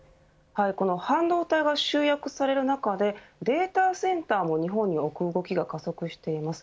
半導体が集約される中でデータセンターを日本に置く動きも加速しています。